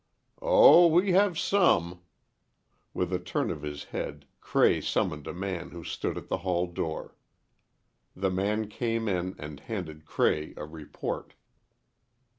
"Oh, we have some." With a turn of his head, Cray summoned a man who stood at the hall door. The man came in, and handed Cray a report.